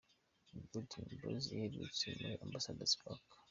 Ubwo Dream Boys baherutse muri Ambassador's Park.